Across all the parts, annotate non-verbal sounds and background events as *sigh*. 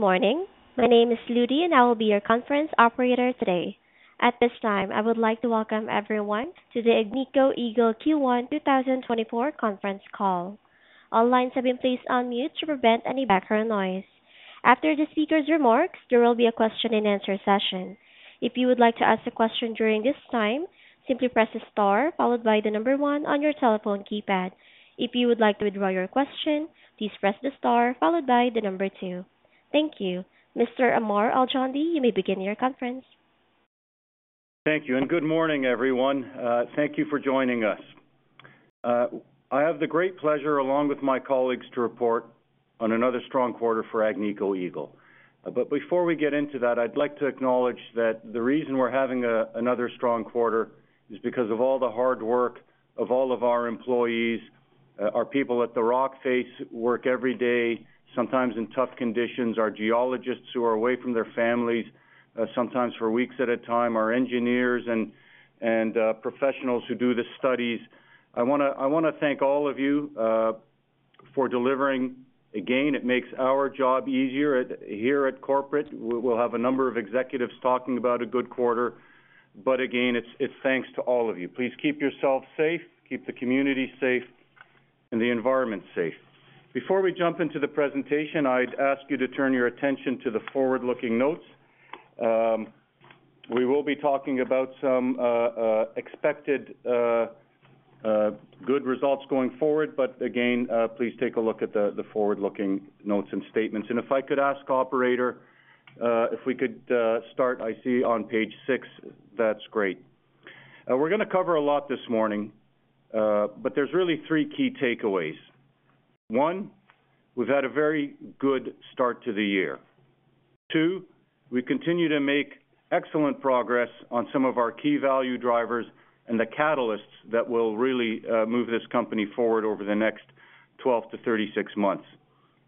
Good morning. My name is Ludi and I will be your conference operator today. At this time, I would like to welcome everyone to the Agnico Eagle Q1 2024 conference call. All lines have been placed on mute to prevent any background noise. After the speaker's remarks, there will be a question-and-answer session. If you would like to ask a question during this time, simply press the star followed by the number one on your telephone keypad. If you would like to withdraw your question, please press the star followed by the number two. Thank you. Mr. Ammar Al-Joundi, you may begin your conference. Thank you and good morning, everyone. Thank you for joining us. I have the great pleasure, along with my colleagues, to report on another strong quarter for Agnico Eagle. But before we get into that, I'd like to acknowledge that the reason we're having another strong quarter is because of all the hard work of all of our employees. Our people at the rock face work every day, sometimes in tough conditions. Our geologists who are away from their families, sometimes for weeks at a time. Our engineers and professionals who do the studies. I want to thank all of you for delivering. Again, it makes our job easier here at corporate. We'll have a number of executives talking about a good quarter. But again, it's thanks to all of you. Please keep yourself safe, keep the community safe, and the environment safe. Before we jump into the presentation, I'd ask you to turn your attention to the forward-looking notes. We will be talking about some expected good results going forward. But again, please take a look at the forward-looking notes and statements. And if I could ask operator if we could start, I see on page six. That's great. We're going to cover a lot this morning. But there's really three key takeaways. One, we've had a very good start to the year. Two, we continue to make excellent progress on some of our key value drivers and the catalysts that will really move this company forward over the next 12-36 months.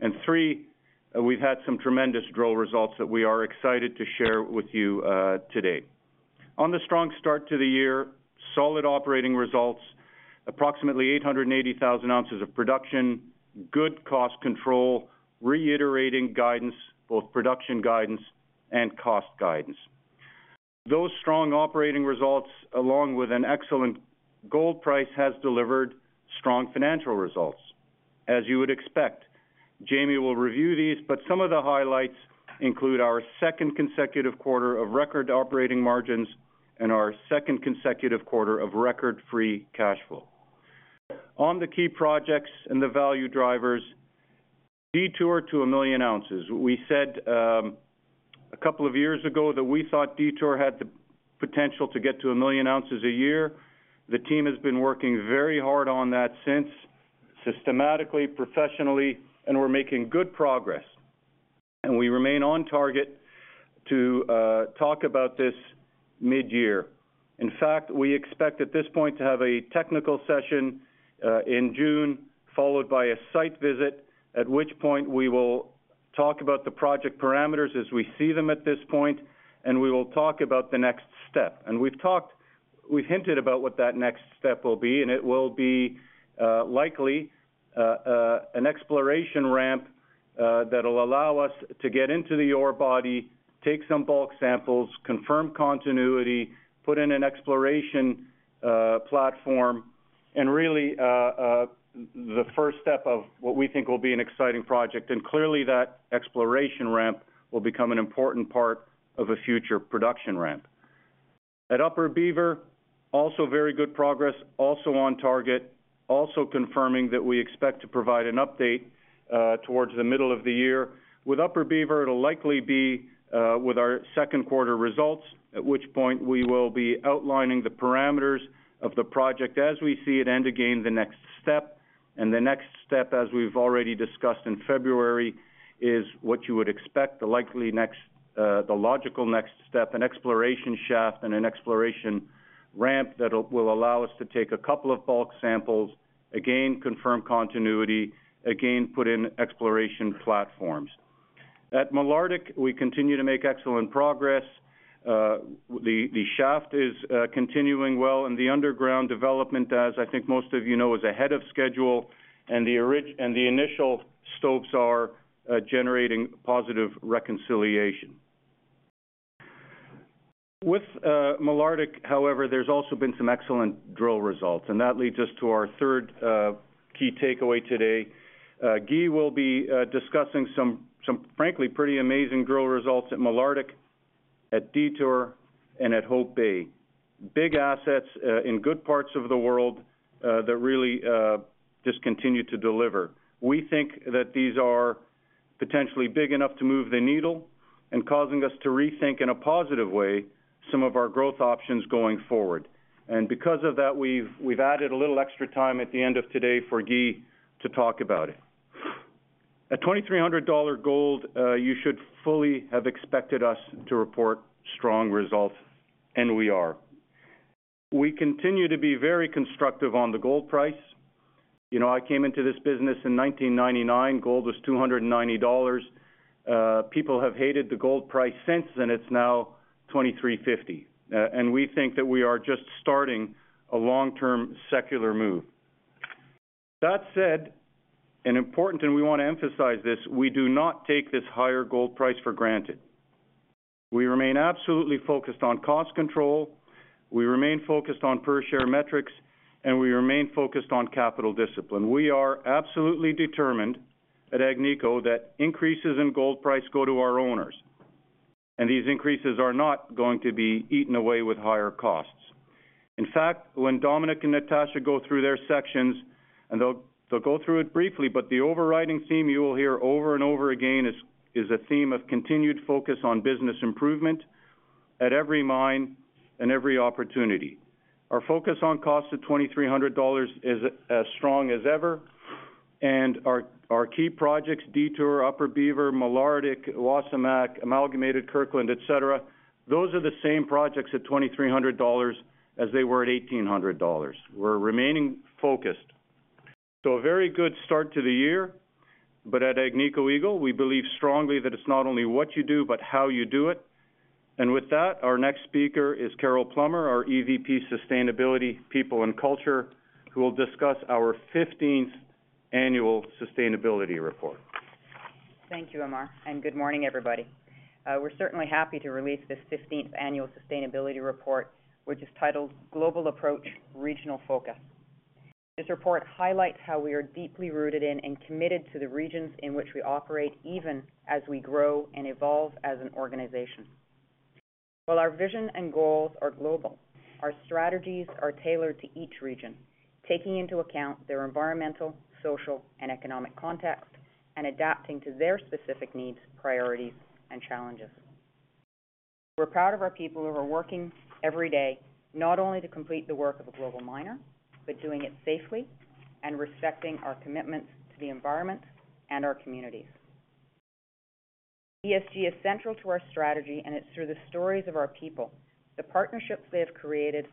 And three, we've had some tremendous drill results that we are excited to share with you today. On the strong start to the year, solid operating results, approximately 880,000 ounces of production, good cost control, reiterating guidance, both production guidance and cost guidance. Those strong operating results, along with an excellent gold price, have delivered strong financial results, as you would expect. Jamie will review these. But some of the highlights include our second consecutive quarter of record operating margins and our second consecutive quarter of record free cash flow. On the key projects and the value drivers, Detour to 1 million ounces. We said a couple of years ago that we thought Detour had the potential to get to 1 million ounces a year. The team has been working very hard on that since, systematically, professionally, and we're making good progress. And we remain on target to talk about this mid-year. In fact, we expect at this point to have a technical session in June, followed by a site visit, at which point we will talk about the project parameters as we see them at this point. We will talk about the next step. We've hinted about what that next step will be. It will be, likely, an exploration ramp that will allow us to get into the ore body, take some bulk samples, confirm continuity, put in an exploration platform, and really the first step of what we think will be an exciting project. Clearly, that exploration ramp will become an important part of a future production ramp. At Upper Beaver, also very good progress, also on target, also confirming that we expect to provide an update towards the middle of the year. With Upper Beaver, it'll likely be with our second quarter results, at which point we will be outlining the parameters of the project as we see it and, again, the next step. And the next step, as we've already discussed in February, is what you would expect, the logical next step, an exploration shaft and an exploration ramp that will allow us to take a couple of bulk samples, again, confirm continuity, again, put in exploration platforms. At Malartic we continue to make excellent progress. The shaft is continuing well. And the underground development, as I think most of you know, is ahead of schedule. And the initial scopes are generating positive reconciliation. With Malartic, however, there's also been some excellent drill results. And that leads us to our third key takeaway today. Guy will be discussing some frankly, pretty amazing drill results at Malartic, at Detour, and at Hope Bay. Big assets in good parts of the world that really just continue to deliver. We think that these are potentially big enough to move the needle and causing us to rethink in a positive way some of our growth options going forward. And because of that, we've added a little extra time at the end of today for Guy to talk about it. At $2,300 gold, you should fully have expected us to report strong results. And we are. We continue to be very constructive on the gold price. You know, I came into this business in 1999. Gold was $290. People have hated the gold price since. And it's now $2,350. And we think that we are just starting a long-term secular move. That said, and important we want to emphasize this, we do not take this higher gold price for granted. We remain absolutely focused on cost control. We remain focused on per-share metrics and we remain focused on capital discipline. We are absolutely determined at Agnico that increases in gold price go to our owners and these increases are not going to be eaten away with higher costs. In fact, when Dominique and Natasha go through their sections, and they'll go through it briefly, but the overriding theme you will hear over and over again is a theme of continued focus on business improvement at every mine and every opportunity. Our focus on costs of $2,300 is as strong as ever and our key projects, Detour, Upper Beaver, Malartic, Wasamac, Amalgamated Kirkland, et cetera, those are the same projects at $2,300 as they were at $1,800. We're remaining focused. A very good start to the year. At Agnico Eagle, we believe strongly that it's not only what you do, but how you do it. With that, our next speaker is Carol Plummer, our EVP, Sustainability, People and Culture, who will discuss our 15th annual sustainability report. Thank you, Ammar. Good morning, everybody. We're certainly happy to release this 15th annual sustainability report, which is titled "Global Approach, Regional Focus." This report highlights how we are deeply rooted in and committed to the regions in which we operate, even as we grow and evolve as an organization. While our vision and goals are global, our strategies are tailored to each region, taking into account their environmental, social, and economic context, and adapting to their specific needs, priorities, and challenges. We're proud of our people who are working every day, not only to complete the work of a global miner, but doing it safely and respecting our commitments to the environment and our communities. ESG is central to our strategy. It's through the stories of our people, the partnerships they have created,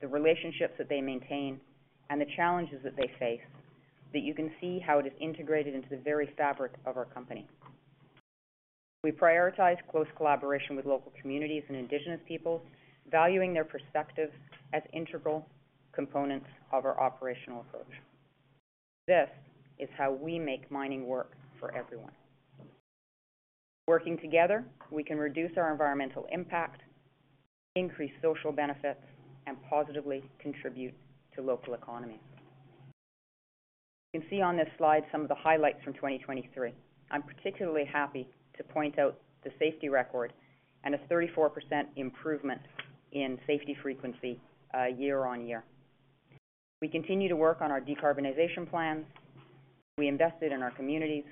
the relationships that they maintain, and the challenges that they face that you can see how it is integrated into the very fabric of our company. We prioritize close collaboration with local communities and Indigenous peoples, valuing their perspectives as integral components of our operational approach. This is how we make mining work for everyone. Working together, we can reduce our environmental impact, increase social benefits, and positively contribute to local economies. You can see on this slide some of the highlights from 2023. I'm particularly happy to point out the safety record and a 34% improvement in safety frequency year on year. We continue to work on our decarbonization plans. We invested in our communities.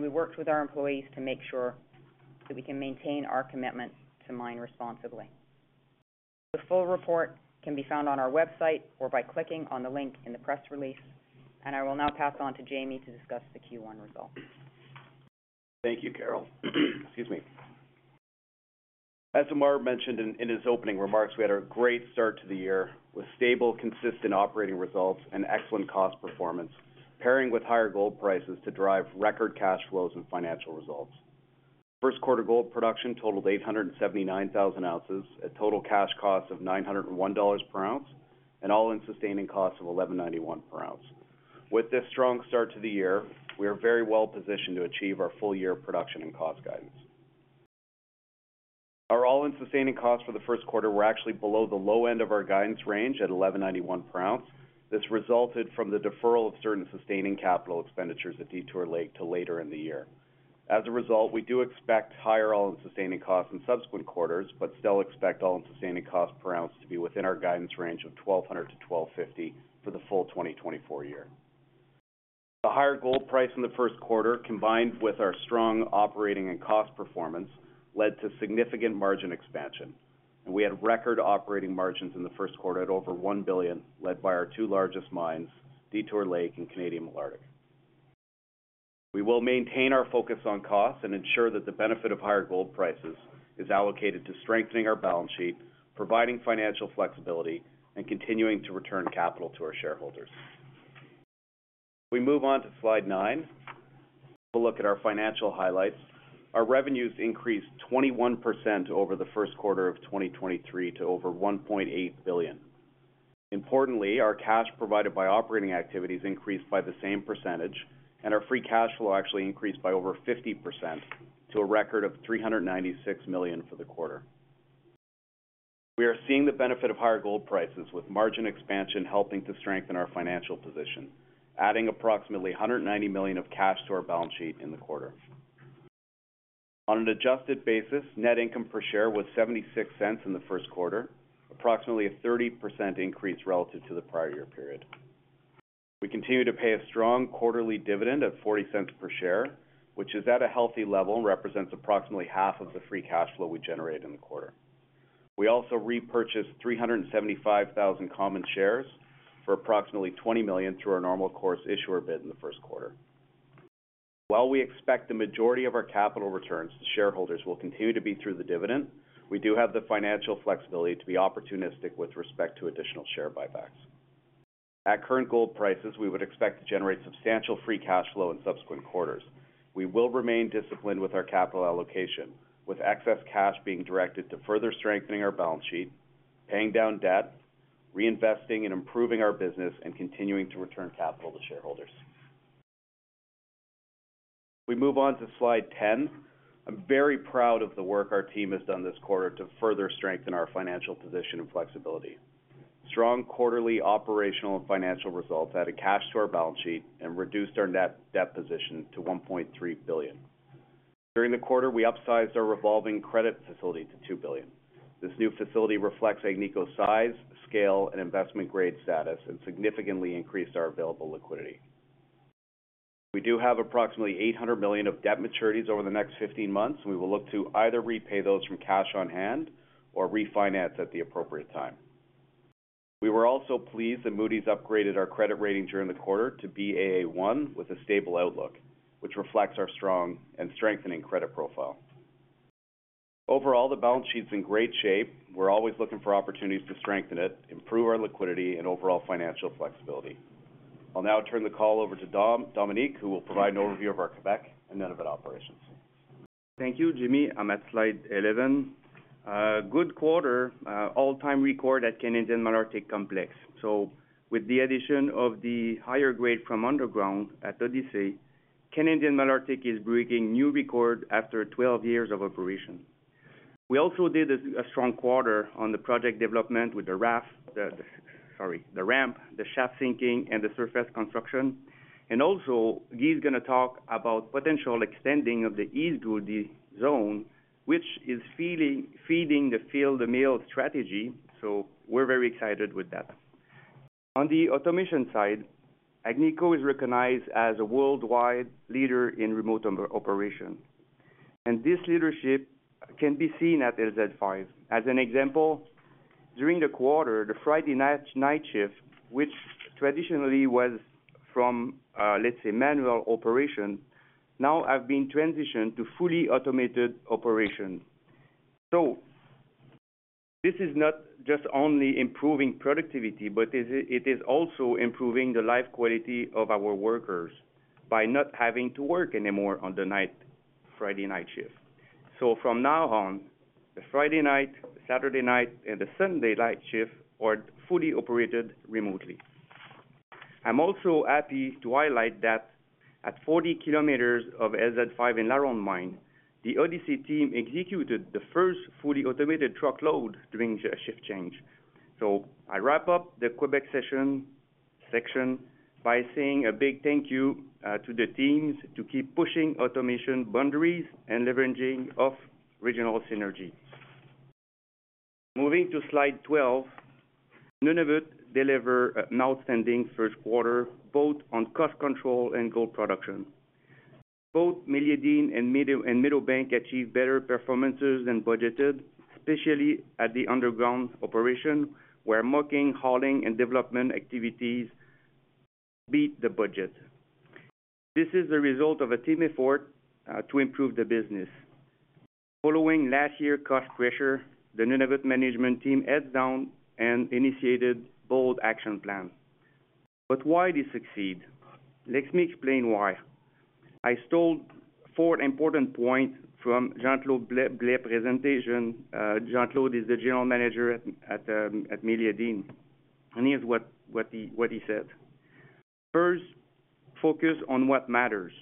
We worked with our employees to make sure that we can maintain our commitment to mine responsibly. The full report can be found on our website or by clicking on the link in the press release. I will now pass on to Jamie to discuss the Q1 results. Thank you, Carol. Excuse me. As Ammar mentioned in his opening remarks, we had a great start to the year with stable, consistent operating results and excellent cost performance, pairing with higher gold prices to drive record cash flows and financial results. First quarter gold production totaled 879,000 ounces, a total cash cost of $901 per ounce, and all-in sustaining costs of $1,191 per ounce. With this strong start to the year, we are very well positioned to achieve our full-year production and cost guidance. Our all-in sustaining costs for the first quarter were actually below the low end of our guidance range at $1,191 per ounce. This resulted from the deferral of certain sustaining capital expenditures at Detour Lake to later in the year. As a result, we do expect higher all-in sustaining costs in subsequent quarters, but still expect all-in sustaining costs per ounce to be within our guidance range of $1,200-$1,250 for the full 2024 year. The higher gold price in the first quarter, combined with our strong operating and cost performance, led to significant margin expansion. We had record operating margins in the first quarter at over $1 billion, led by our two largest mines, Detour Lake and Canadian Malartic. We will maintain our focus on costs and ensure that the benefit of higher gold prices is allocated to strengthening our balance sheet, providing financial flexibility, and continuing to return capital to our shareholders. We move on to slide nine. Have a look at our financial highlights. Our revenues increased 21% over the first quarter of 2023 to over $1.8 billion. Importantly, our cash provided by operating activities increased by the same percentage. Our free cash flow actually increased by over 50% to a record of $396 million for the quarter. We are seeing the benefit of higher gold prices, with margin expansion helping to strengthen our financial position, adding approximately $190 million of cash to our balance sheet in the quarter. On an adjusted basis, net income per share was $0.76 in the first quarter, approximately a 30% increase relative to the prior year period. We continue to pay a strong quarterly dividend of $0.40 per share, which is at a healthy level and represents approximately half of the free cash flow we generate in the quarter. We also repurchased 375,000 common shares for approximately $20 million through our normal course issuer bid in the first quarter. While we expect the majority of our capital returns to shareholders will continue to be through the dividend, we do have the financial flexibility to be opportunistic with respect to additional share buybacks. At current gold prices, we would expect to generate substantial free cash flow in subsequent quarters. We will remain disciplined with our capital allocation, with excess cash being directed to further strengthening our balance sheet, paying down debt, reinvesting and improving our business, and continuing to return capital to shareholders. We move on to slide 10. I'm very proud of the work our team has done this quarter to further strengthen our financial position and flexibility. Strong quarterly operational and financial results added cash to our balance sheet and reduced our net debt position to $1.3 billion. During the quarter, we upsized our revolving credit facility to $2 billion. This new facility reflects Agnico's size, scale, and investment-grade status and significantly increased our available liquidity. We do have approximately $800 million of debt maturities over the next 15 months. We will look to either repay those from cash on hand or refinance at the appropriate time. We were also pleased that Moody's upgraded our credit rating during the quarter to Baa1 with a stable outlook, which reflects our strong and strengthening credit profile. Overall, the balance sheet's in great shape. We're always looking for opportunities to strengthen it, improve our liquidity, and overall financial flexibility. I'll now turn the call over to Dominique, who will provide an overview of our Quebec and Nunavut operations. Thank you, Jaime. I'm at slide 11. Good quarter, all-time record at Canadian Malartic Complex. So, with the addition of the higher grade from underground at Odyssey, Canadian Malartic is breaking new record after 12 years of operation. We also did a strong quarter on the project development with the shaft sorry, the ramp, the shaft sinking, and the surface construction. And also, Guy's going to talk about potential extending of the East Gouldie Zone, which is feeding the Fill-The-Mill strategy. So, we're very excited with that. On the automation side, Agnico is recognized as a worldwide leader in remote operation. And this leadership can be seen at LZ5. As an example, during the quarter, the Friday night shift, which traditionally was from, let's say, manual operation, now has been transitioned to fully automated operation. So, this is not just only improving productivity, but it is also improving the life quality of our workers by not having to work anymore on the Friday night shift. So, from now on, the Friday night, Saturday night, and the Sunday night shift are fully operated remotely. I'm also happy to highlight that at 40 km of LZ5 in LaRonde Mine, the Odyssey team executed the first fully automated truck load during a shift change. So, I wrap up the Quebec session section by saying a big thank you to the teams to keep pushing automation boundaries and leveraging off-regional synergy. Moving to slide 12, Nunavut delivered an outstanding first quarter, both on cost control and gold production. Both Malartic and Meadowbank achieved better performances than budgeted, especially at the underground operation, where mucking, hauling, and development activities beat the budget. This is the result of a team effort to improve the business. Following last year's cost pressure, the Nunavut management team heads down and initiated bold action plans. But why did they succeed? Let me explain why. I stole four important points from Jean-Claude Blais' presentation. Jean-Claude is the General Manager at Malartic. And here's what he said. First, focus on what matters.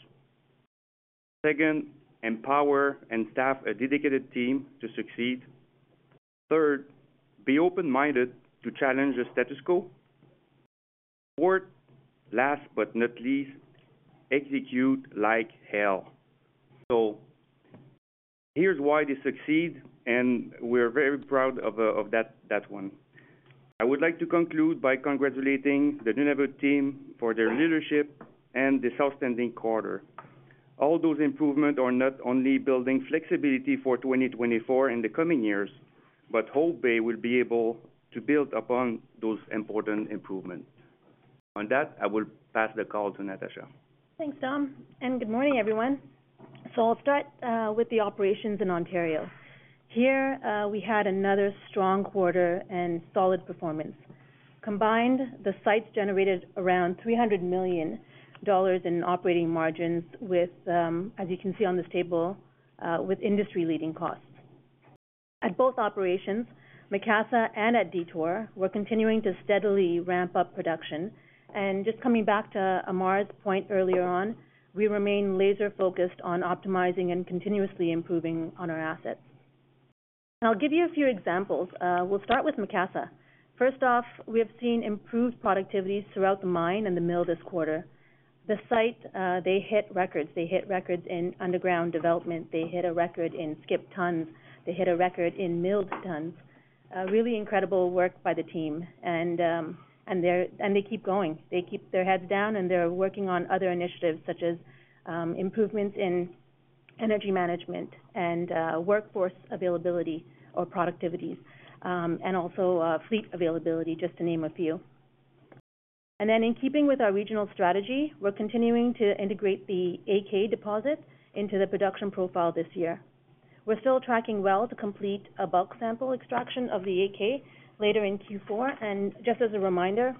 Second, empower and staff a dedicated team to succeed. Third, be open-minded to challenge the status quo. Fourth, last but not least, execute like hell. So, here's why they succeed and we're very proud of that one. I would like to conclude by congratulating the Nunavut team for their leadership and this outstanding quarter. All those improvements are not only building flexibility for 2024 and the coming years, but Hope Bay will be able to build upon those important improvements. On that, I will pass the call to Natasha. Thanks, Dom. Good morning, everyone. I'll start with the operations in Ontario. Here, we had another strong quarter and solid performance. Combined, the sites generated around $300 million in operating margins, as you can see on this table, with industry-leading costs. At both operations, Macassa and at Detour, we're continuing to steadily ramp up production. Just coming back to Ammar's point earlier on, we remain laser-focused on optimizing and continuously improving on our assets. I'll give you a few examples. We'll start with Macassa. First off, we have seen improved productivity throughout the mine and the mill this quarter. The site, they hit records. They hit records in underground development. They hit a record in skipped tons. They hit a record in milled tons. Really incredible work by the team and they keep going. They keep their heads down. They're working on other initiatives, such as improvements in energy management and workforce availability or productivities, and also fleet availability, just to name a few. Then, in keeping with our regional strategy, we're continuing to integrate the AK deposit into the production profile this year. We're still tracking well to complete a bulk sample extraction of the AK later in Q4. And just as a reminder,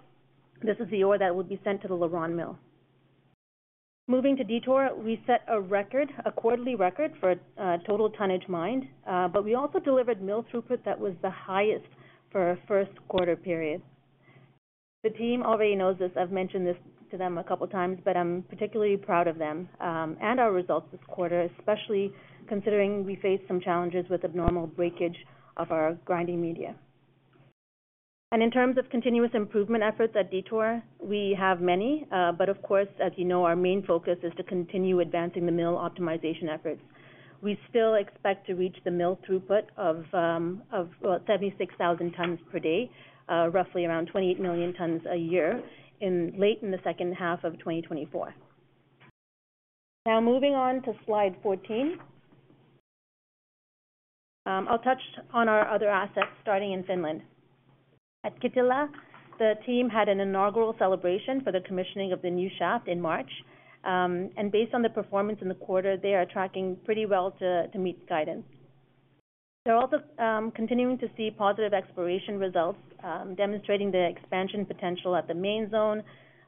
this is the ore that will be sent to the LaRonde Mill. Moving to Detour, we set a record, a quarterly record, for total tonnage mined. But we also delivered mill throughput that was the highest for our first quarter period. The team already knows this. I've mentioned this to them a couple of times. But I'm particularly proud of them and our results this quarter, especially considering we faced some challenges with abnormal breakage of our grinding media. In terms of continuous improvement efforts at Detour, we have many. But of course, as you know, our main focus is to continue advancing the mill optimization efforts. We still expect to reach the mill throughput of about 76,000 tons per day, roughly around 28 million tons a year, late in the second half of 2024. Now, moving on to slide 14. I'll touch on our other assets, starting in Finland. At Kittilä, the team had an inaugural celebration for the commissioning of the new shaft in March. And based on the performance in the quarter, they are tracking pretty well to meet guidance. They're also continuing to see positive exploration results, demonstrating the expansion potential at the Main Zone,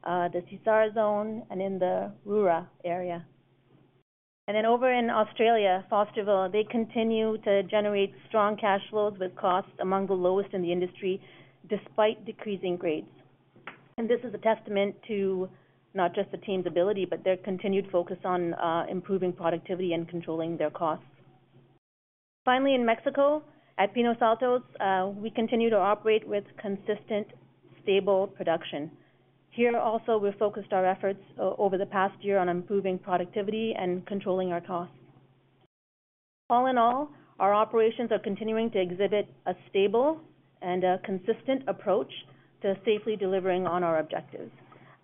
the Sisar Zone, and in the Roura area. Then, over in Australia, Fosterville, they continue to generate strong cash flows with costs among the lowest in the industry, despite decreasing grades. This is a testament to not just the team's ability, but their continued focus on improving productivity and controlling their costs. Finally, in Mexico, at Pinos Altos, we continue to operate with consistent, stable production. Here also, we've focused our efforts over the past year on improving productivity and controlling our costs. All-in-all, our operations are continuing to exhibit a stable and a consistent approach to safely delivering on our objectives.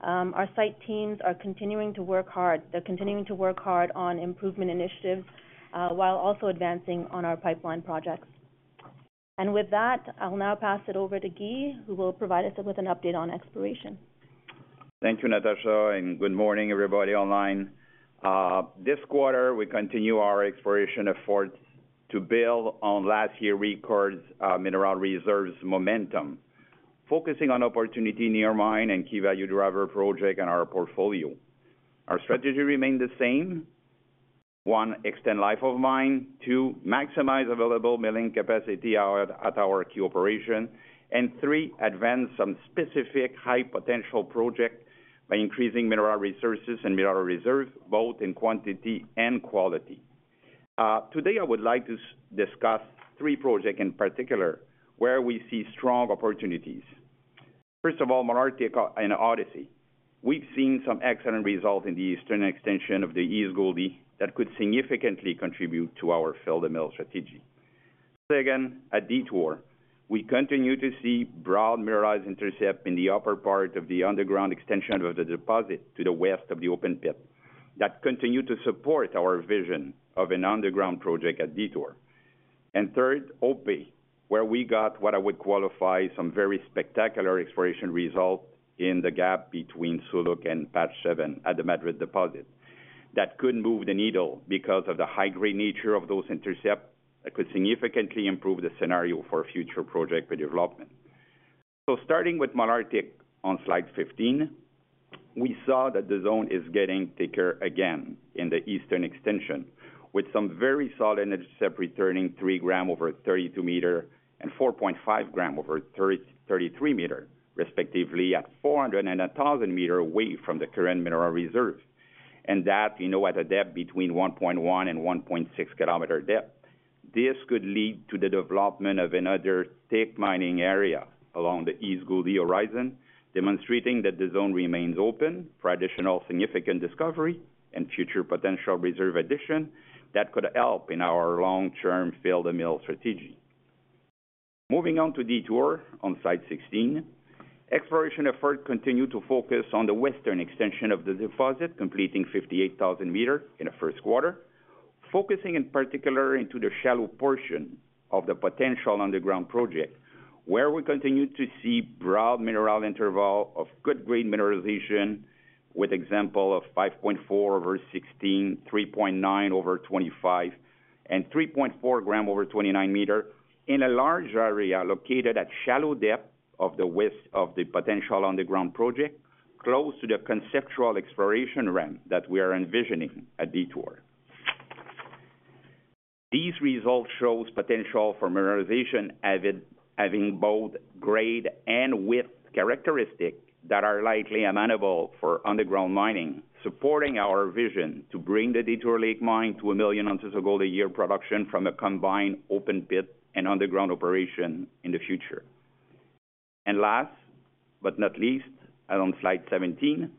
Our site teams are continuing to work hard. They're continuing to work hard on improvement initiatives while also advancing on our pipeline projects. With that, I'll now pass it over to Guy, who will provide us with an update on exploration. Thank you, Natasha. Good morning, everybody online. This quarter, we continue our exploration efforts to build on last year's record mineral reserves momentum, focusing on opportunities near mine and key value driver projects in our portfolio. Our strategy remains the same. One, extend life of mine. Two, maximize available milling capacity at our key operations. And three, advance some specific high-potential projects by increasing mineral resources and mineral reserves, both in quantity and quality. Today, I would like to discuss three projects in particular where we see strong opportunities. First of all, Malartic and Odyssey. We've seen some excellent results in the eastern extension of the East Gouldie that could significantly contribute to our Fill-The-Mill strategy. Second, at Detour, we continue to see broad mineralized intercepts in the upper part of the underground extension of the deposit to the west of the open pit that continue to support our vision of an underground project at Detour. And third, Hope, where we got what I would qualify as some very spectacular exploration results in the gap between Suluk and Patch 7 at the Madrid deposit that could move the needle because of the high-grade nature of those intercepts that could significantly improve the scenario for future project development. So, starting with Malartic on slide 15, we saw that the zone is getting thicker again in the eastern extension, with some very solid intercepts returning 3 grams over 32 meters and 4.5 grams over 33 meters, respectively, at 400 and 1,000 meters away from the current mineral reserve. And that, you know, at a depth between 1.1 and 1.6 km depth. This could lead to the development of another thick mining area along the East Gouldie horizon, demonstrating that the zone remains open for additional significant discovery and future potential reserve addition that could help in our long-term Fill-The-Mill strategy. Moving on to Detour on slide 16, exploration efforts continue to focus on the western extension of the deposit, completing 58,000 meters in the first quarter, focusing in particular into the shallow portion of the potential underground project, where we continue to see broad mineral interval of good-grade mineralization, with example of 5.4 over 16, 3.9 over 25, and 3.4 grams over 29 meters in a large area located at shallow depth of the west of the potential underground project, close to the conceptual exploration ramp that we are envisioning at Detour. These results show potential for mineralization having both grade and width characteristics that are likely amenable for underground mining, supporting our vision to bring the Detour Lake Mine to 1 million ounces of gold a year production from a combined open pit and underground operation in the future. And last but not least, on slide 17,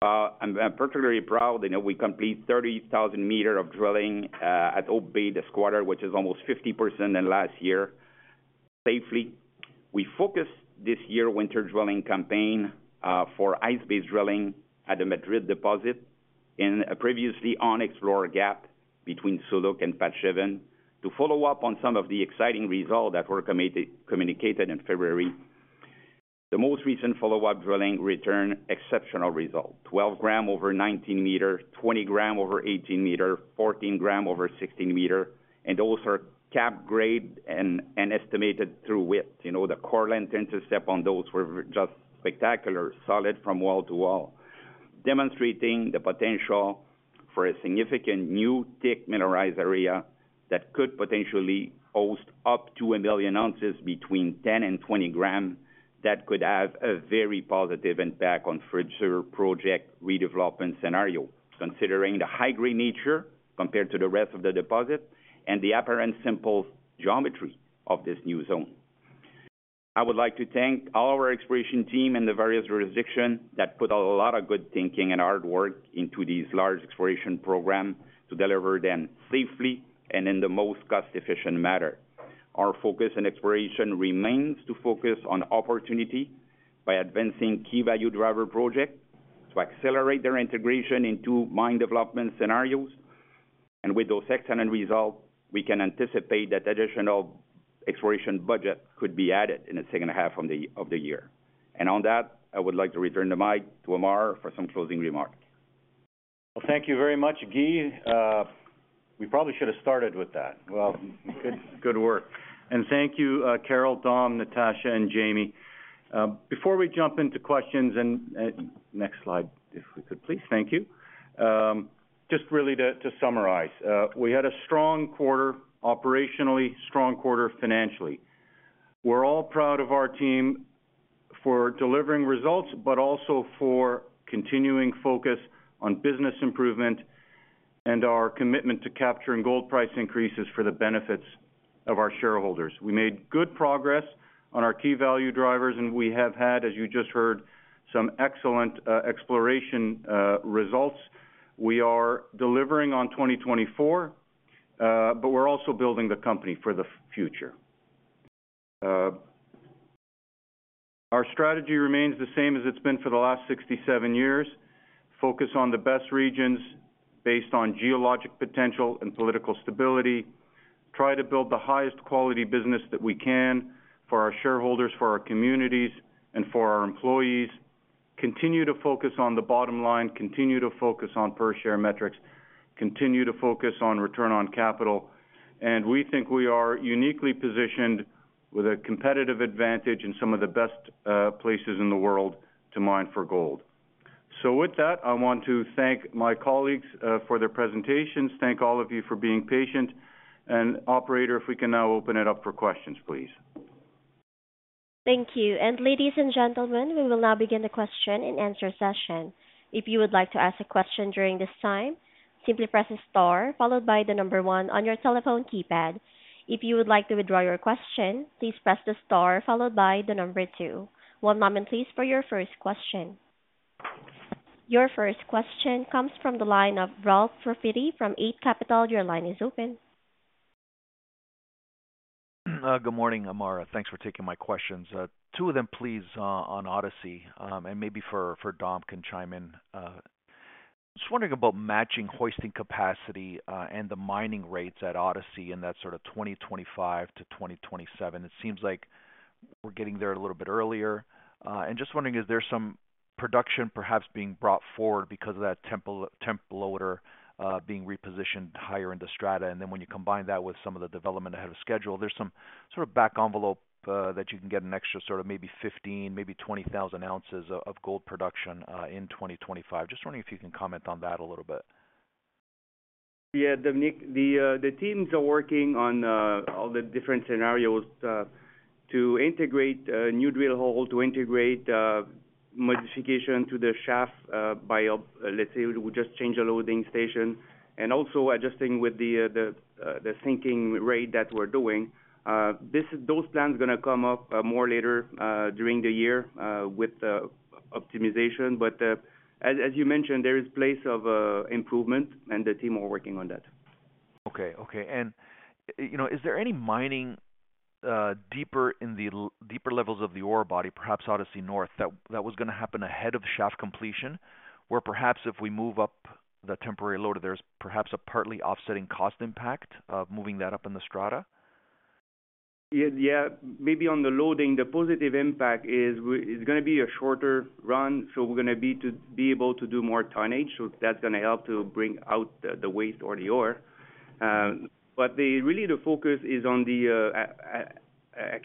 I'm particularly proud. You know, we complete 30,000 meters of drilling at Hope Bay this quarter, which is almost 50% than last year, safely. We focused this year's winter drilling campaign for ice-based drilling at the Madrid deposit in a previously unexplored gap between Suluk and Patch 7 to follow up on some of the exciting results that were communicated in February. The most recent follow-up drilling returned exceptional results: 12 grams over 19 meters, 20 grams over 18 meters, 14 grams over 16 meters. And those are high-grade and estimated true width. You know, the corridor intercept on those were just spectacular, solid from wall to wall, demonstrating the potential for a significant new thick mineralized area that could potentially host up to 1 million ounces between 10 and 20 gram that could have a very positive impact on the future project redevelopment scenario, considering the high-grade nature compared to the rest of the deposit and the apparent simple geometry of this new zone. I would like to thank all our exploration team in the various jurisdictions that put a lot of good thinking and hard work into these large exploration programs to deliver them safely and in the most cost-efficient manner. Our focus in exploration remains to focus on opportunity by advancing key value driver projects to accelerate their integration into mine development scenarios. With those excellent results, we can anticipate that additional exploration budget could be added in the second half of the year. On that, I would like to return the mic to Ammar for some closing remarks. Well, thank you very much, Guy. We probably should have started with that. Well, good work. And thank you, Carol, Dom, Natasha, and Jamie. Before we jump into questions and next slide, if we could, please. Thank you. Just really to summarize, we had a strong quarter, operationally strong quarter, financially. We're all proud of our team for delivering results, but also for continuing focus on business improvement and our commitment to capturing gold price increases for the benefits of our shareholders. We made good progress on our key value drivers. And we have had, as you just heard, some excellent exploration results. We are delivering on 2024. But we're also building the company for the future. Our strategy remains the same as it's been for the last 67 years: focus on the best regions based on geologic potential and political stability, try to build the highest quality business that we can for our shareholders, for our communities, and for our employees, continue to focus on the bottom line, continue to focus on per-share metrics, continue to focus on return on capital. We think we are uniquely positioned with a competitive advantage in some of the best places in the world to mine for gold. With that, I want to thank my colleagues for their presentations. Thank all of you for being patient operator, if we can now open it up for questions, please. Thank you. Ladies and gentlemen, we will now begin the question and answer session. If you would like to ask a question during this time, simply press a star followed by one on your telephone keypad. If you would like to withdraw your question, please press the star followed by two. One moment, please, for your first question. Your first question comes from the line of Ralph Profiti from Eight Capital. Your line is open. Good morning, Ammar. Thanks for taking my questions. Two of them, please, on Odyssey. Maybe for Dom, you can chime in. I'm just wondering about matching hoisting capacity and the mining rates at Odyssey in that sort of 2025 to 2027. It seems like we're getting there a little bit earlier. Just wondering, is there some production perhaps being brought forward because of that temp loader being repositioned higher in the strata? When you combine that with some of the development ahead of schedule, there's some sort of back envelope that you can get an extra sort of maybe 15,000, maybe 20,000 ounces of gold production in 2025. Just wondering if you can comment on that a little bit. Yeah, Dominique. The teams are working on all the different scenarios to integrate new drill hole, to integrate modification to the shaft by, let's say, we just change a loading station, and also adjusting with the sinking rate that we're doing. Those plans are going to come up more later during the year with optimization. But as you mentioned, there is place of improvement. The team are working on that. Okay. Okay. And is there any mining deeper in the deeper levels of the ore body, perhaps Odyssey North, that was going to happen ahead of shaft completion, where perhaps if we move up the temporary loader, there's perhaps a partly offsetting cost impact of moving that up in the schedule? Yeah. Yeah. Maybe on the loading, the positive impact is it's going to be a shorter run. So we're going to be able to do more tonnage. So that's going to help to bring out the waste or the ore. But really, the focus is on accessing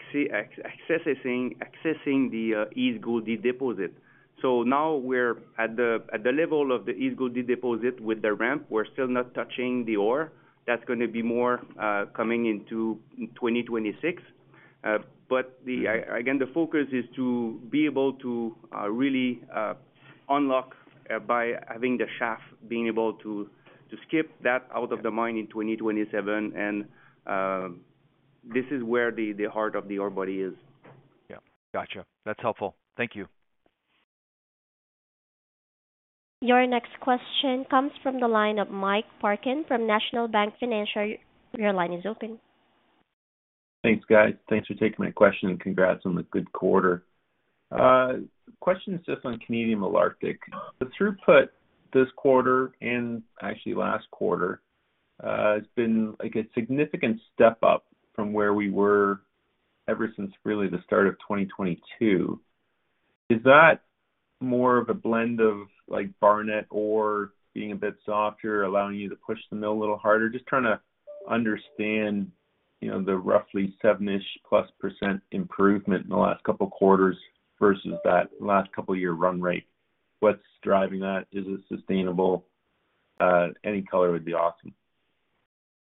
the East Gouldie deposit. So now we're at the level of the East Gouldie deposit with the ramp. We're still not touching the ore. That's going to be more coming into 2026. But again, the focus is to be able to really unlock by having the shaft being able to skip that out of the mine in 2027. And this is where the heart of the ore body is. Yeah. Got you. That's helpful. Thank you. Your next question comes from the line of Mike Parkin from National Bank Financial. Your line is open. Thanks, guys. Thanks for taking my question. Congrats on the good quarter. Question is just on Canadian Malartic. The throughput this quarter and actually last quarter has been a significant step up from where we were ever since really the start of 2022. Is that more of a blend of Barnat or being a bit softer, allowing you to push the mill a little harder? Just trying to understand the roughly 7%+ improvement in the last couple of quarters versus that last couple of year run rate. What's driving that? Is it sustainable? Any color would be awesome.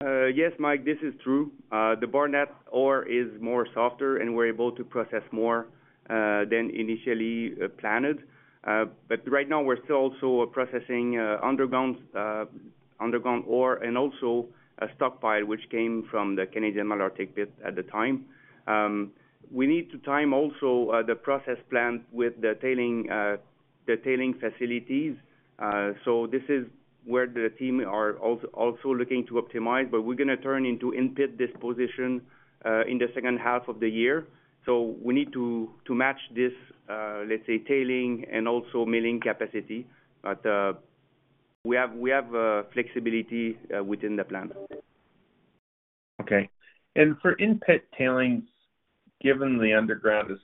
Yes, Mike, this is true. The Barnat ore is more softer and we're able to process more than initially planned. But right now, we're still also processing underground ore and also a stockpile, which came from the Canadian Malartic pit at the time. We need to time also the processing plant with the tailings facilities. So this is where the team are also looking to optimize. But we're going to turn into in-pit deposition in the second half of the year. So we need to match this, let's say, tailings and also milling capacity. But we have flexibility within the plant. Okay. And for in-pit tailings, given the underground is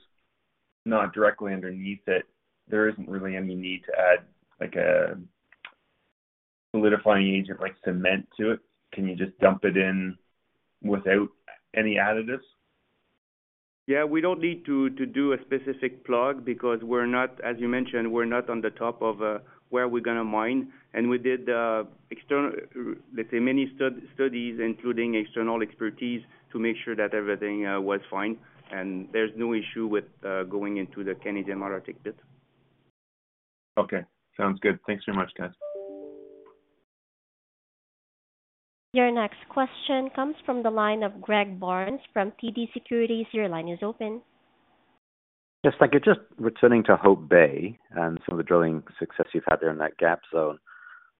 not directly underneath it, there isn't really any need to add a solidifying agent like cement to it. Can you just dump it in without any additives? Yeah. We don't need to do a specific plug because we're not, as you mentioned, on the top of where we're going to mine. We did, let's say, many studies, including external expertise, to make sure that everything was fine. There's no issue with going into the Canadian Malartic pit. Okay. Sounds good. Thanks very much, guys. Your next question comes from the line of Greg Barnes from TD Securities. Your line is open. Yes, thank you. Just returning to Hope Bay and some of the drilling success you've had there in that gap zone,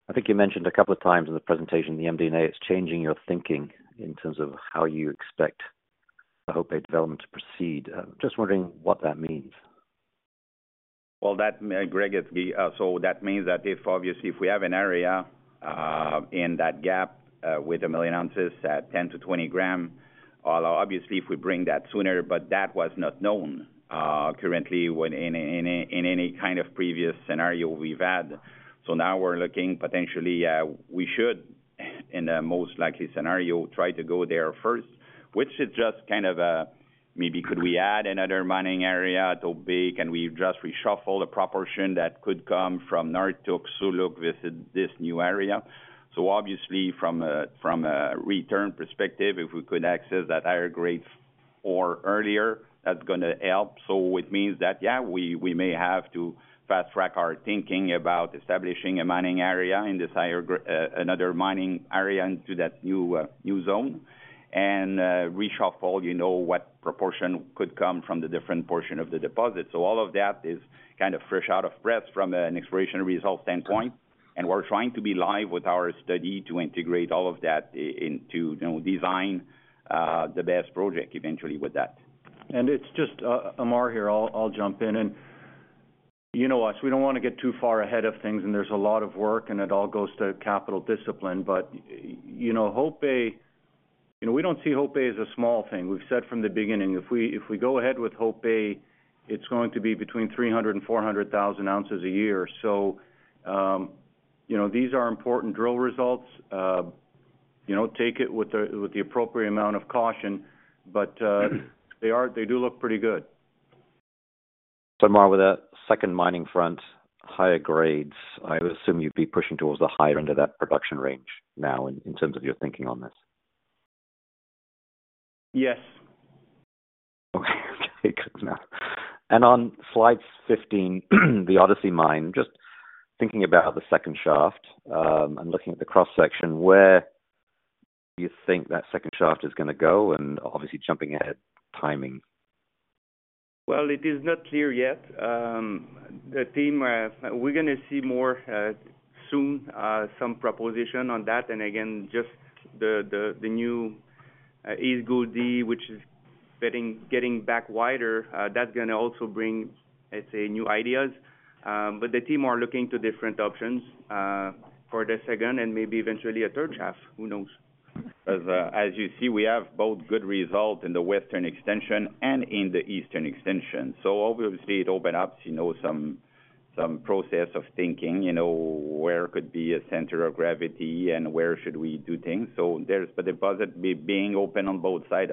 I think you mentioned a couple of times in the presentation the MD&A is changing your thinking in terms of how you expect the Hope Bay development to proceed. Just wondering what that means. Well, Greg, so that means that obviously, if we have an area in that gap with 1 million ounces at 10-20 gram, obviously, if we bring that sooner but that was not known currently in any kind of previous scenario we've had. So now we're looking potentially we should, in the most likely scenario, try to go there first, which is just kind of maybe could we add another mining area to Hope Bay? Can we just reshuffle the proportion that could come from North to Suluk visit this new area? So obviously, from a return perspective, if we could access that higher-grade ore earlier, that's going to help. So it means that, yeah, we may have to fast-track our thinking about establishing another mining area into that new zone and reshuffle what proportion could come from the different portion of the deposit. All of that is kind of fresh out of press from an exploration results standpoint. We're trying to be live with our study to integrate all of that into design the best project eventually with that. It's just Ammar here. I'll jump in. You know us. We don't want to get too far ahead of things. There's a lot of work. It all goes to capital discipline. But Hope Bay, we don't see Hope Bay as a small thing. We've said from the beginning, if we go ahead with Hope Bay, it's going to be between 300,000 and 400,000 ounces a year. So these are important drill results. Take it with the appropriate amount of caution. But they do look pretty good. Ammar, with a second mining front, higher grades, I would assume you'd be pushing towards the higher end of that production range now in terms of your thinking on this? Yes. Okay. Okay. Good enough. On slide 15, the Odyssey Mine, just thinking about the second shaft and looking at the cross-section, where do you think that second shaft is going to go? And obviously, jumping ahead, timing. Well, it is not clear yet. We're going to see more soon, some proposition on that. And again, just the new East Gouldie, which is getting back wider, that's going to also bring, let's say, new ideas. But the team are looking to different options for the second and maybe eventually a third shaft. Who knows? As you see, we have both good results in the western extension and in the eastern extension. So obviously, it opens up some process of thinking where could be a center of gravity and where should we do things. So there's the deposit being open on both sides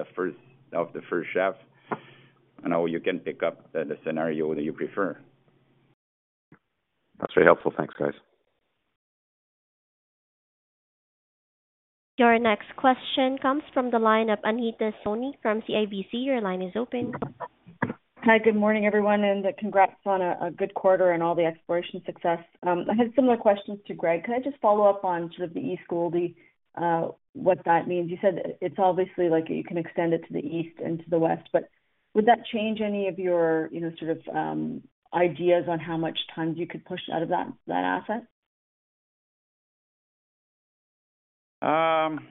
of the first shaft. And now you can pick up the scenario that you prefer. That's very helpful. Thanks, guys. Your next question comes from the line of Anita Soni from CIBC. Your line is open. Hi. Good morning, everyone. Congrats on a good quarter and all the exploration success. I had similar questions to Greg. Could I just follow up on sort of the East Gouldie, what that means? You said it's obviously you can extend it to the east and to the west. But would that change any of your sort of ideas on how much tons you could push out of that asset?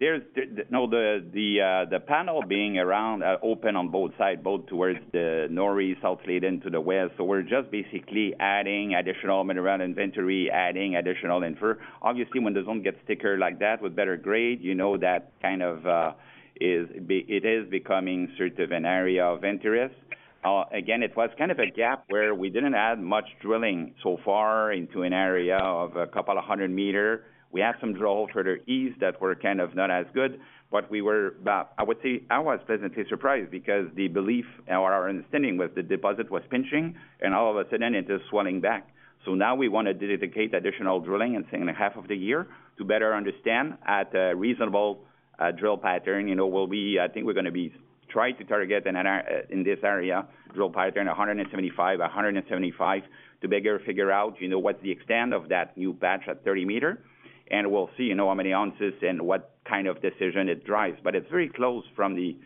No, the panel being open on both sides, both towards the north, south lead into the west. So we're just basically adding additional mineral inventory, adding additional infra. Obviously, when the zone gets thicker like that with better grade, that kind of it is becoming sort of an area of interest. Again, it was kind of a gap where we didn't add much drilling so far into an area of 200 meters. We had some drill holes further east that were kind of not as good. But I would say I was pleasantly surprised because the belief or our understanding was the deposit was pinching. All of a sudden, it is swelling back. So now we want to dedicate additional drilling in the second half of the year to better understand at a reasonable drill pattern. I think we're going to try to target in this area drill pattern 175, 175 to better figure out what's the extent of that new batch at 30 meters. And we'll see how many ounces and what kind of decision it drives. But it's very close from the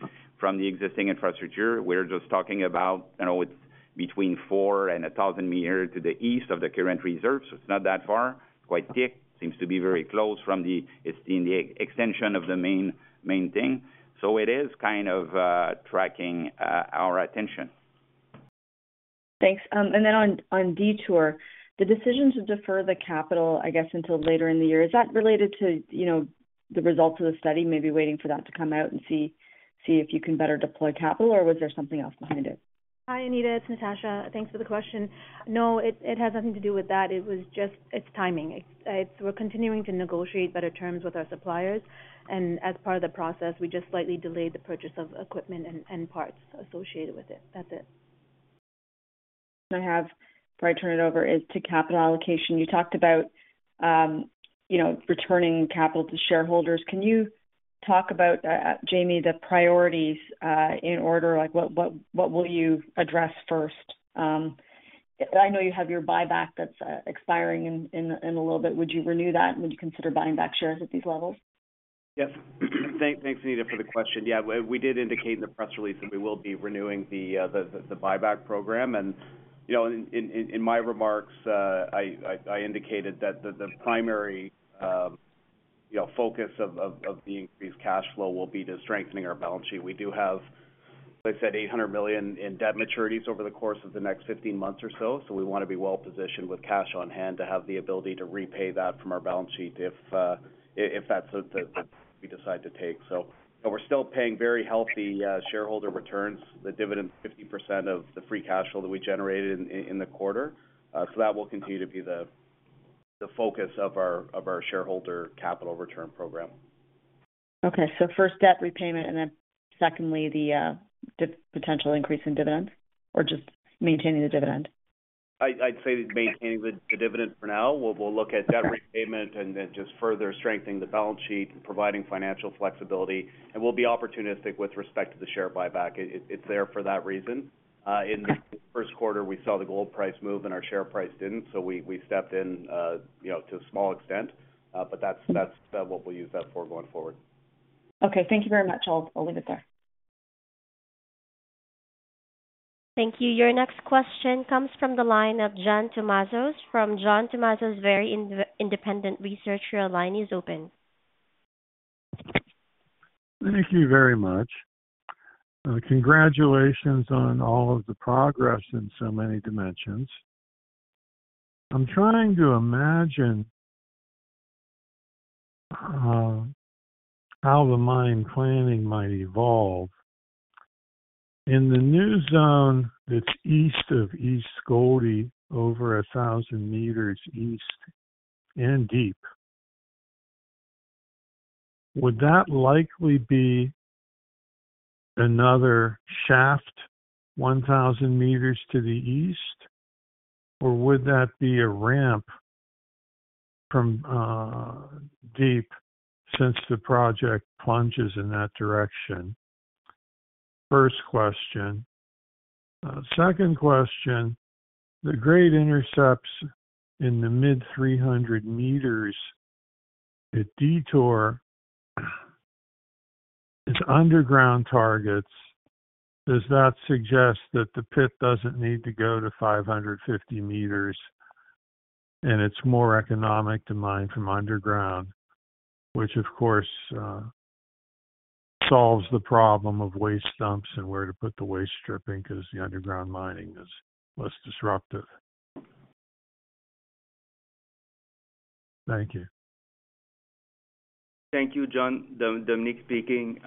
existing infrastructure. We're just talking about it's between four and 1,000 meters to the east of the current reserve. So it's not that far. Quite thick. Seems to be very close in the extension of the main thing. So it is kind of tracking our attention. Thanks. And then on Detour, the decision to defer the capital, I guess, until later in the year, is that related to the results of the study, maybe waiting for that to come out and see if you can better deploy capital? Or was there something else behind it? Hi, Anita. It's Natasha. Thanks for the question. No, it has nothing to do with that. It's timing. We're continuing to negotiate better terms with our suppliers. And as part of the process, we just slightly delayed the purchase of equipment and parts associated with it. That's it. I have before I turn it over is to capital allocation. You talked about returning capital to shareholders. Can you talk about, Jamie, the priorities in order? What will you address first? I know you have your buyback that's expiring in a little bit. Would you renew that? Would you consider buying back shares at these levels? Yes. Thanks, Anita, for the question. Yeah. We did indicate in the press release that we will be renewing the buyback program. And in my remarks, I indicated that the primary focus of the increased cash flow will be to strengthening our balance sheet. We do have, as I said, $800 million in debt maturities over the course of the next 15 months or so. So we want to be well-positioned with cash on hand to have the ability to repay that from our balance sheet if that's the route we decide to take. So we're still paying very healthy shareholder returns, the dividends, 50% of the free cash flow that we generated in the quarter. So that will continue to be the focus of our shareholder capital return program. Okay. So first, debt repayment. And then secondly, the potential increase in dividends or just maintaining the dividend? I'd say maintaining the dividend for now. We'll look at debt repayment and then just further strengthening the balance sheet and providing financial flexibility. And we'll be opportunistic with respect to the share buyback. It's there for that reason. In the first quarter, we saw the gold price move. And our share price didn't. So we stepped in to a small extent. But that's what we'll use that for going forward. Okay. Thank you very much. I'll leave it there. Thank you. Your next question comes from the line of John Tumazos. From John Tumazos Very Independent Research, your line is open. Thank you very much. Congratulations on all of the progress in so many dimensions. I'm trying to imagine how the mine planning might evolve. In the new zone that's east of East Gouldie, over 1,000 meters east and deep, would that likely be another shaft 1,000 meters to the east? Or would that be a ramp from deep since the project plunges in that direction? First question. Second question, the grade intercepts in the mid-300 meters at Detour, its underground targets. Does that suggest that the pit doesn't need to go to 550 meters? And it's more economic to mine from underground, which, of course, solves the problem of waste dumps and where to put the waste stripping because the underground mining is less disruptive. Thank you. Thank you, John. Dominique speaking.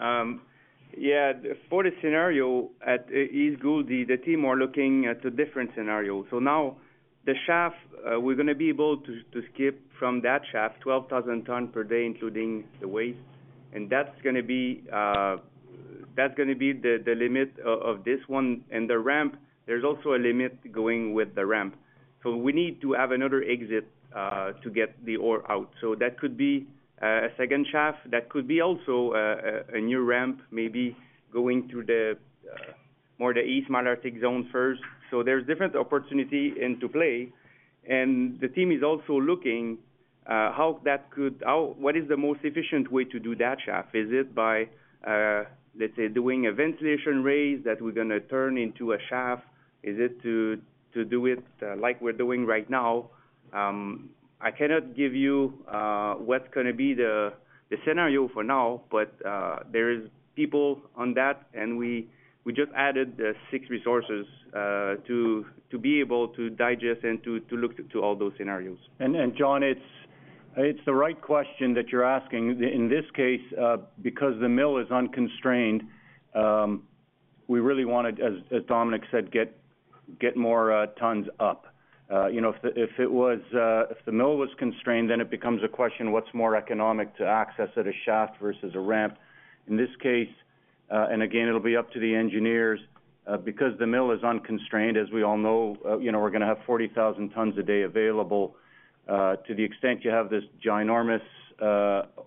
Yeah. For the scenario at East Gouldie, the team are looking at a different scenario. So now the shaft, we're going to be able to skip from that shaft, 12,000 tons per day including the waste. And that's going to be that's going to be the limit of this one. And the ramp, there's also a limit going with the ramp. So we need to have another exit to get the ore out. So that could be a second shaft. That could be also a new ramp maybe going through more the East Malartic zone first. So there's different opportunity into play. And the team is also looking how that could what is the most efficient way to do that shaft? Is it by, let's say, doing a ventilation raise that we're going to turn into a shaft? Is it to do it like we're doing right now? I cannot give you what's going to be the scenario for now. But there is people on that. We just added the six resources to be able to digest and to look to all those scenarios. John, it's the right question that you're asking. In this case, because the mill is unconstrained, we really want to, as Dominic said, get more tons up. If the mill was constrained, then it becomes a question what's more economic to access at a shaft versus a ramp. In this case, and again, it'll be up to the engineers, because the mill is unconstrained, as we all know, we're going to have 40,000 tons a day available. To the extent you have this ginormous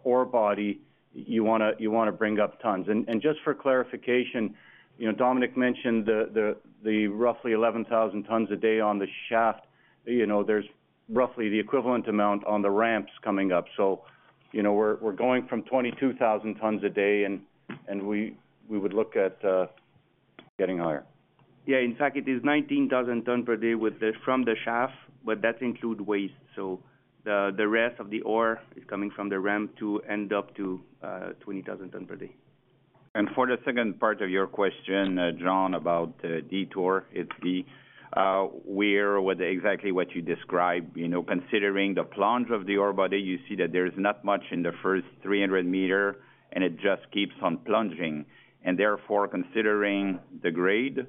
ore body, you want to bring up tons. And just for clarification, Dominic mentioned the roughly 11,000 tons a day on the shaft. There's roughly the equivalent amount on the ramps coming up. So we're going from 22,000 tons a day. And we would look at getting higher. Yeah. In fact, it is 19,000 ton per day from the shaft. But that includes waste. So the rest of the ore is coming from the ramp to end up to 20,000 ton per day. For the second part of your question, John, about Detour, it's the way with exactly what you describe, considering the plunge of the ore body. You see that there is not much in the first 300 meters. And it just keeps on plunging. And therefore, considering the grade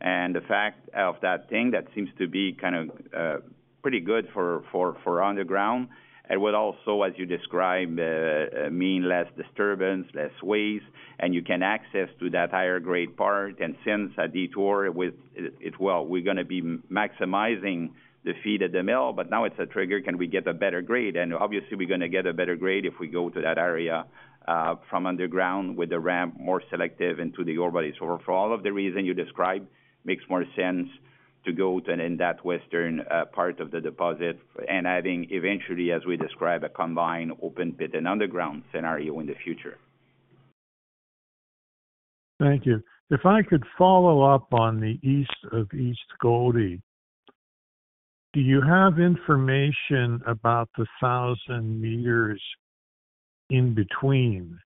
and the fact that that thing, that seems to be kind of pretty good for underground. It would also, as you describe, mean less disturbance, less waste. And you can access to that higher grade part. And since at Detour, well, we're going to be maximizing the feed at the mill. But now it's a trigger. Can we get a better grade? And obviously, we're going to get a better grade if we go to that area from underground with the ramp more selective into the ore body. For all of the reasons you describe, it makes more sense to go to that western part of the deposit and having eventually, as we describe, a combined open pit and underground scenario in the future. Thank you. If I could follow up on the east of East Gouldie, do you have information about the 1,000 meters in between?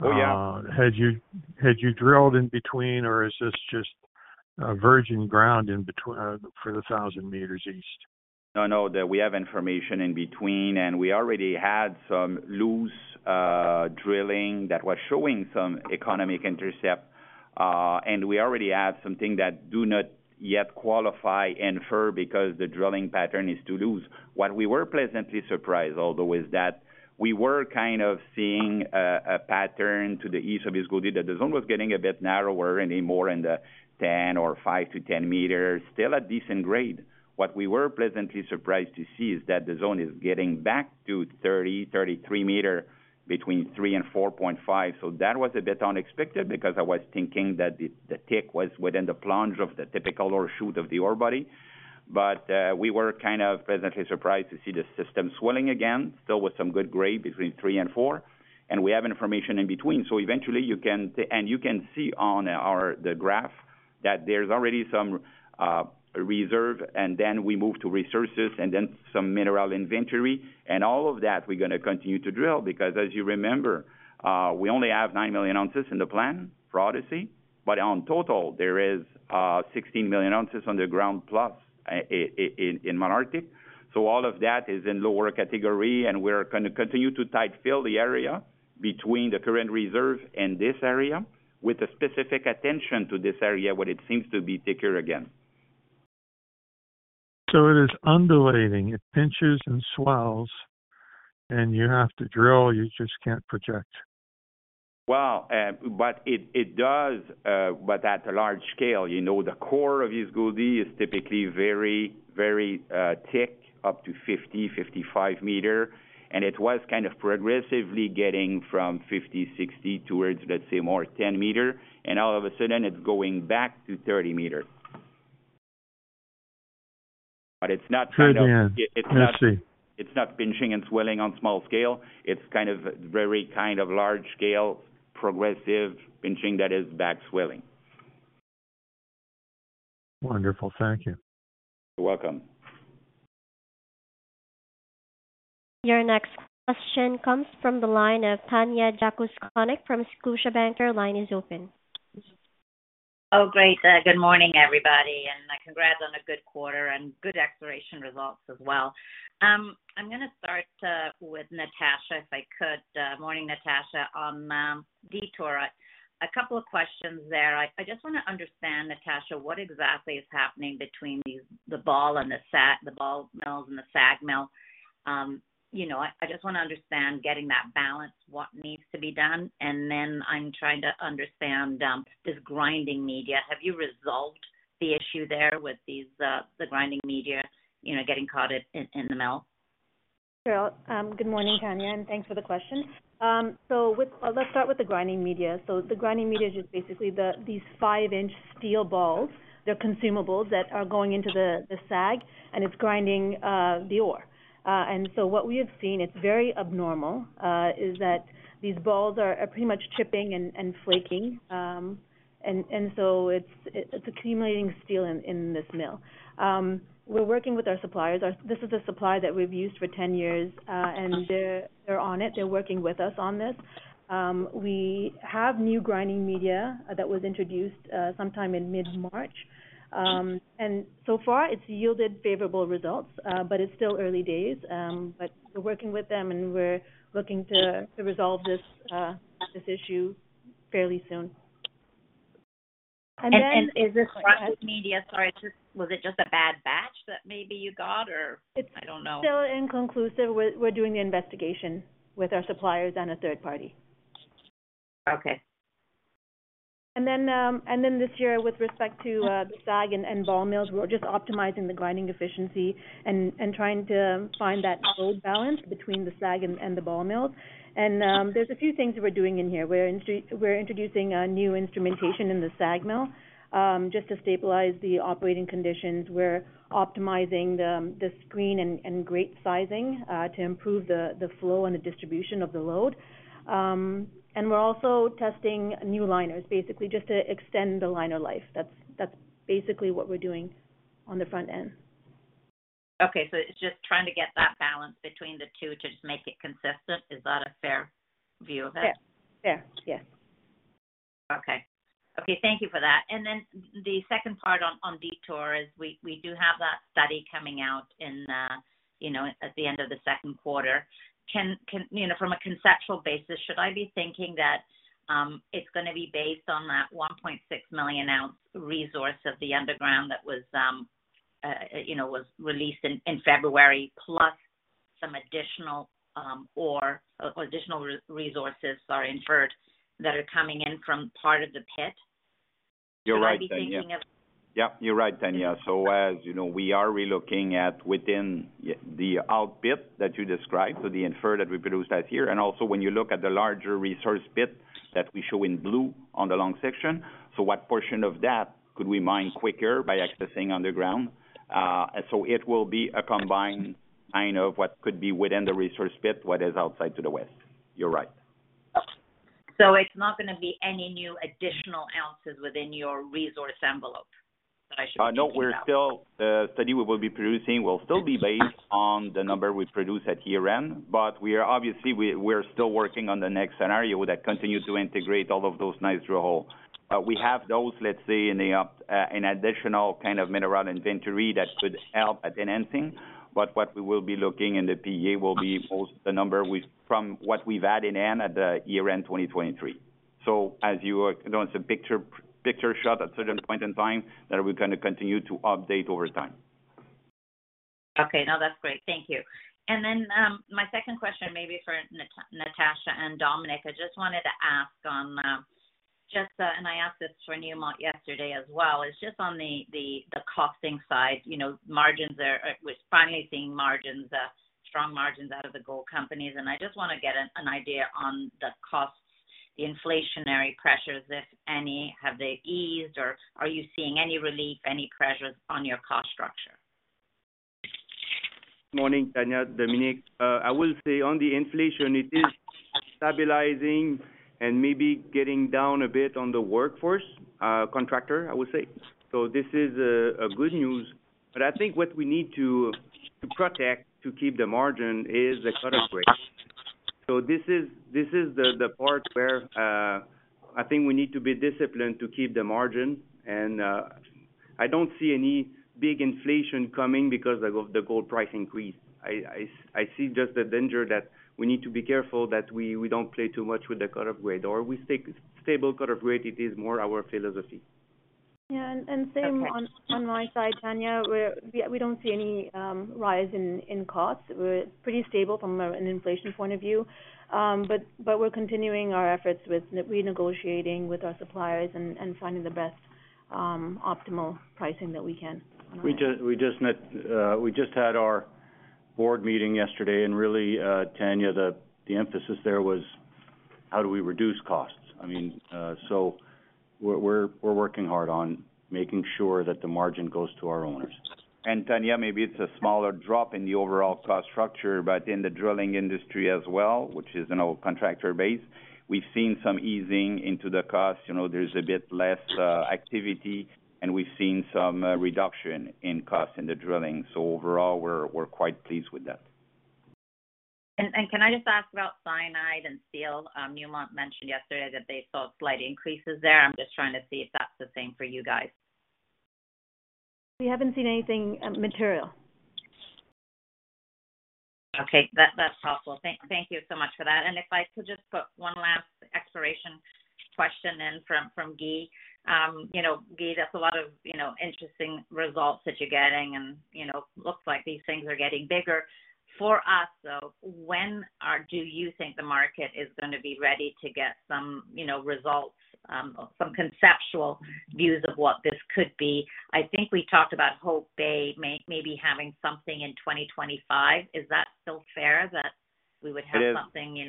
Had you drilled in between? Or is this just virgin ground for the 1,000 meters east? No, no. We have information in between. And we already had some loose drilling that was showing some economic intercept. And we already have some things that do not yet qualify inferred because the drilling pattern is too loose. What we were pleasantly surprised, although, is that we were kind of seeing a pattern to the east of East Gouldie that the zone was getting a bit narrower anymore in the 10 or 5-10 meters, still a decent grade. What we were pleasantly surprised to see is that the zone is getting back to 30-33 meters between three and 4.5. So that was a bit unexpected because I was thinking that the thickness was within the plunge of the typical ore shoot of the ore body. But we were kind of pleasantly surprised to see the system swelling again, still with some good grade between three and four. And we have information in between. So eventually, you can and you can see on the graph that there's already some reserve. And then we move to resources and then some mineral inventory. And all of that, we're going to continue to drill because, as you remember, we only have 9 million ounces in the plan for Odyssey. But on total, there is 16 million ounces underground plus in Malartic. So all of that is in lower category. And we're going to continue to tight-fill the area between the current reserve and this area with a specific attention to this area when it seems to be thicker again. It is undulating. It pinches and swells. You have to drill. You just can't project. Wow. But it does, but at a large scale. The core of East Gouldie is typically very, very thick, up to 50-55 meters. And it was kind of progressively getting from 50-60 towards, let's say, more 10 meters. And all of a sudden, it's going back to 30 meters. But it's not kind of. *crosstalk* I see. It's not pinching and swelling on small scale. It's kind of very kind of large scale, progressive pinching that is back swelling. Wonderful. Thank you. You're welcome. Your next question comes from the line of Tanya Jakusconek from Scotiabank. Line is open. Oh, great. Good morning, everybody. Congrats on a good quarter and good exploration results as well. I'm going to start with Natasha, if I could. Morning, Natasha. On Detour, a couple of questions there. I just want to understand, Natasha, what exactly is happening between the ball mill and the SAG mill. I just want to understand getting that balance, what needs to be done? And then I'm trying to understand this grinding media. Have you resolved the issue there with the grinding media getting caught in the mill? Sure. Good morning, Tanya. Thanks for the question. Let's start with the grinding media. The grinding media is just basically these 5-inch steel balls. They're consumables that are going into the SAG. It's grinding the ore. What we have seen, it's very abnormal, is that these balls are pretty much chipping and flaking. It's accumulating steel in this mill. We're working with our suppliers. This is a supplier that we've used for 10 years. They're on it. They're working with us on this. We have new grinding media that was introduced sometime in mid-March. So far, it's yielded favorable results. But it's still early days. We're working with them. We're looking to resolve this issue fairly soon. Then. Is this grinding media, sorry, was it just a bad batch that maybe you got? Or I don't know. It's still inconclusive. We're doing the investigation with our suppliers and a third party. Okay. Then this year, with respect to the SAG and ball mills, we're just optimizing the grinding efficiency and trying to find that load balance between the SAG and the ball mills. There's a few things we're doing in here. We're introducing new instrumentation in the SAG mill just to stabilize the operating conditions. We're optimizing the screen and grate sizing to improve the flow and the distribution of the load. We're also testing new liners, basically, just to extend the liner life. That's basically what we're doing on the front end. Okay. It's just trying to get that balance between the two to just make it consistent. Is that a fair view of it? Fair. Fair. Yes. Okay. Okay. Thank you for that. Then the second part on Detour is we do have that study coming out at the end of the second quarter. From a conceptual basis, should I be thinking that it's going to be based on that 1.6-million-ounce resource of the underground that was released in February plus some additional ore or additional resources, sorry, inferred, that are coming in from part of the pit? You're right, Tanya. Yep. You're right, Tanya. So as we are relooking at within the open pit that you described, so the inferred that we produced last year, and also when you look at the larger resource pit that we show in blue on the long section, so what portion of that could we mine quicker by accessing underground? So it will be a combined kind of what could be within the resource pit, what is outside to the west. You're right. Okay. So it's not going to be any new additional ounces within your resource envelope that I should be thinking about? No. The study we will be producing will still be based on the number we produce at year-end. But obviously, we're still working on the next scenario that continues to integrate all of those nice drill holes. We have those, let's say, in an additional kind of mineral inventory that could help at enhancing. But what we will be looking in the PEA will be most the number from what we've had in end at year-end 2023. So as you know, it's a picture shot at a certain point in time that we're going to continue to update over time. Okay. No, that's great. Thank you. And then my second question maybe for Natasha and Dominique, I just wanted to ask on just and I asked this for Newmont yesterday as well. It's just on the costing side. We're finally seeing strong margins out of the gold companies. And I just want to get an idea on the costs, the inflationary pressures, if any. Have they eased? Or are you seeing any relief, any pressures on your cost structure? Good morning, Tanya, Dominique. I will say on the inflation, it is stabilizing and maybe getting down a bit on the workforce, contractor, I will say. This is good news. I think what we need to protect to keep the margin is the cut-off grade. This is the part where I think we need to be disciplined to keep the margin. I don't see any big inflation coming because of the gold price increase. I see just the danger that we need to be careful that we don't play too much with the cut-off grade. Or we stay stable cut-off grade. It is more our philosophy. Yeah. And same on my side, Tanya. We don't see any rise in costs. We're pretty stable from an inflation point of view. But we're continuing our efforts with renegotiating with our suppliers and finding the best optimal pricing that we can on our side. We just had our board meeting yesterday. Really, Tanya, the emphasis there was, how do we reduce costs? I mean, so we're working hard on making sure that the margin goes to our owners. And Tanya, maybe it's a smaller drop in the overall cost structure. But in the drilling industry as well, which is an old contractor base, we've seen some easing into the costs. There's a bit less activity. And we've seen some reduction in costs in the drilling. So overall, we're quite pleased with that. Can I just ask about cyanide and steel? Newmont mentioned yesterday that they saw slight increases there. I'm just trying to see if that's the same for you guys. We haven't seen anything material. Okay. That's helpful. Thank you so much for that. And if I could just put one last exploration question in from Guy. Guy, that's a lot of interesting results that you're getting. And it looks like these things are getting bigger. For us, though, when do you think the market is going to be ready to get some results, some conceptual views of what this could be? I think we talked about Hope Bay maybe having something in 2025. Is that still fair that we would have something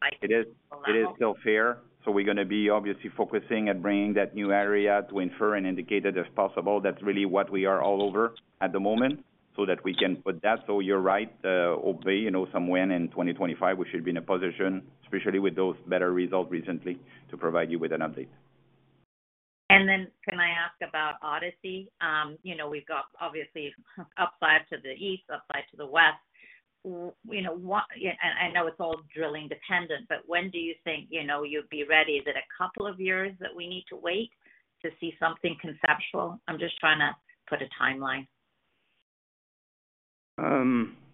like? It is. It is still fair. So we're going to be obviously focusing at bringing that new area to infer and indicate that if possible, that's really what we are all over at the moment so that we can put that. So you're right, Hope Bay, somewhere in 2025, we should be in a position, especially with those better results recently, to provide you with an update. Then can I ask about Odyssey? We've got obviously upside to the east, upside to the west. I know it's all drilling dependent. When do you think you'll be ready? Is it a couple of years that we need to wait to see something conceptual? I'm just trying to put a timeline.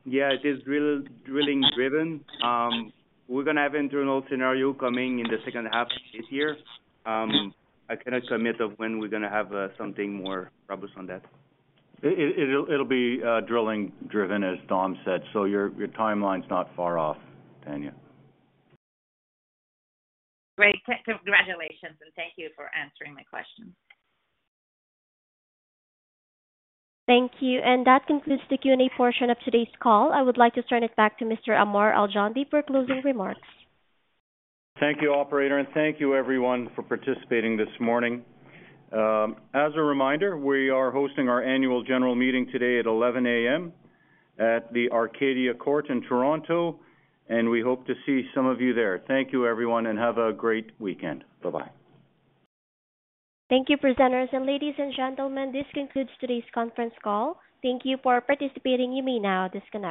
Yeah. It is drilling-driven. We're going to have internal scenario coming in the second half of this year. I cannot commit to when we're going to have something more robust on that. It'll be drilling-driven, as Dom said. So your timeline's not far off, Tanya. Great. Congratulations. Thank you for answering my questions. Thank you. That concludes the Q&A portion of today's call. I would like to turn it back to Mr. Ammar Al-Joundi for closing remarks. Thank you, operator. Thank you, everyone, for participating this morning. As a reminder, we are hosting our annual general meeting today at 11:00 A.M. at the Arcadian Court in Toronto. We hope to see some of you there. Thank you, everyone. Have a great weekend. Bye-bye. Thank you, presenters. Ladies and gentlemen, this concludes today's conference call. Thank you for participating. You may now disconnect.